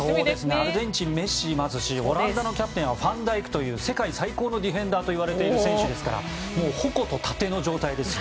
アルゼンチンにはメッシがいますしオランダのキャプテンはファンダイクという世界最高のディフェンダーといわれる選手ですから矛と盾の状態ですよ。